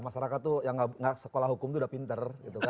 masyarakat itu yang enggak sekolah hukum itu sudah pinter